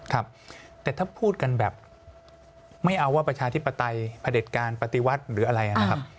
ครับแต่ถ้าพูดกันแบบไม่เอาว่าประชาธิปไตยประเด็จการปฏิวัติหรืออะไรนะครับ